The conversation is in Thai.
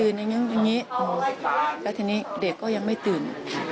แล้วทีนี้เด็กก็ยังไม่ตื่น